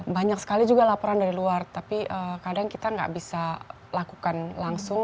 banyak sekali juga laporan dari luar tapi kadang kita nggak bisa lakukan langsung